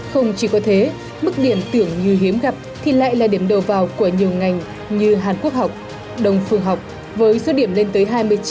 không chỉ có thế mức điểm tưởng như hiếm gặp thì lại là điểm đầu vào của nhiều ngành như hàn quốc học đồng phương học với số điểm lên tới hai mươi chín chín mươi năm